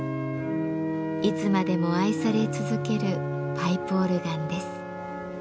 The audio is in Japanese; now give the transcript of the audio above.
いつまでも愛され続けるパイプオルガンです。